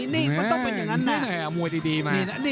นี่มันต้องเป็นอย่างนั้นน่ะ